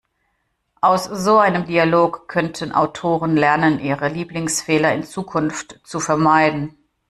Aus so einem Dialog könnten Autoren lernen, ihre Lieblingsfehler in Zukunft zu vermeiden.